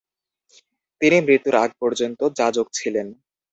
তিনি মৃত্যুর আগে পর্যন্ত যাজক ছিলেন